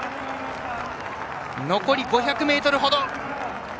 残り５００ｍ程。